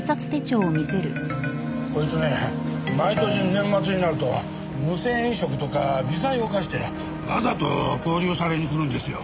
こいつね毎年年末になると無銭飲食とか微罪を犯してわざと勾留されに来るんですよ。